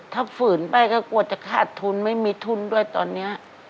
ถ้าฝืนไปก็กลัวจะขาดทุนไม่มีทุนด้วยตอนนี้